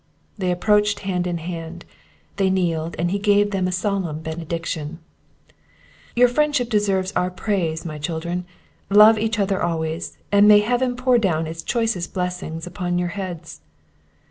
They approached hand in hand, they kneeled, and he gave them a solemn benediction. "Your friendship deserves our praise, my children! love each other always! and may Heaven pour down its choicest blessings upon your heads!"